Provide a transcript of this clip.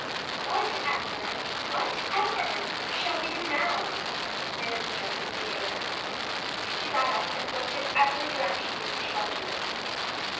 "Whatever, whatever shall we do now?" demanded Jess of the air. She got up and looked in every direction for shelter.